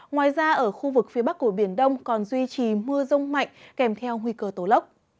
ngoài ra ở khu vực phía bắc của biển đông còn duy trì mưa rông mạnh kèm theo nguy cơ tổ lốc